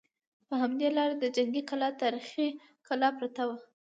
په همدې لاره د جنګي کلا تاریخي کلا پرته وه.